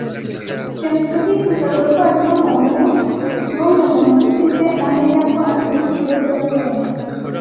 James ntiyifuzaga ko hagira n'umwe mu ncuti ze amenya ko acuruza ibiyobyabwenge.